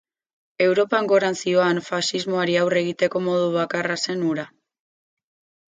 Europan gorantz zihoan faxismoari aurre egiteko modu bakarra zen hura.